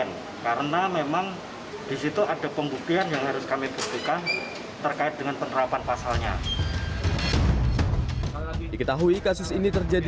pembacaan dakwaan na